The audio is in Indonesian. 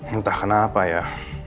entah kenapa ya